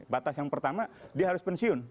batas yang pertama dia harus pensiun